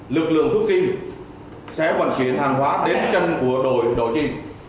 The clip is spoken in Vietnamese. lực lượng phước kỳ sẽ vận chuyển hàng hóa đến chân đội tiên